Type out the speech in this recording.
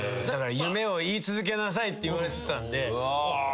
だから夢を言い続けなさいって言われてたんで。